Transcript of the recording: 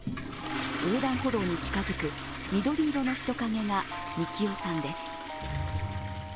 横断歩道に近づく緑色の人影が樹生さんです。